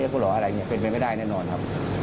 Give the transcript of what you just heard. ก็ได้พลังเท่าไหร่ครับ